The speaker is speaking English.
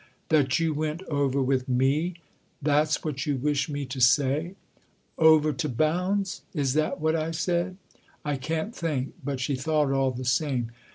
" That you went over with me that's what you wish me to say ?"" Over to Bounds ? Is that what / said ? I can't think." But she thought all the same.